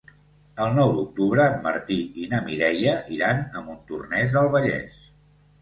El nou d'octubre en Martí i na Mireia iran a Montornès del Vallès.